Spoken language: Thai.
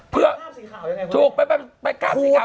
เพื่อถูกไปก้าสีขาว